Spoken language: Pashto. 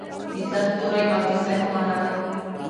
د ظرف توری او د ځای په مانا دئ.